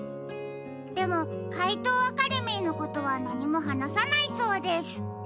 でもかいとうアカデミーのことはなにもはなさないそうです。